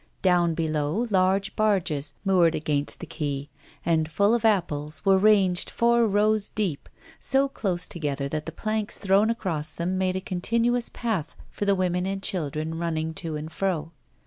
Down below, large barges, moored against the quay, and full of apples, were ranged four rows deep, so close together that the planks thrown across them made a continuous path for the women and children running to and fro.